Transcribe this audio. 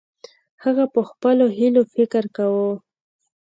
هغه په خپلو هیلو فکر کاوه.